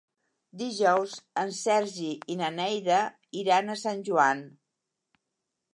Dijous en Sergi i na Neida iran a Sant Joan.